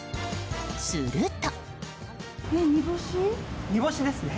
すると。